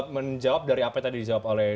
menjawab dari apa yang tadi dijawab oleh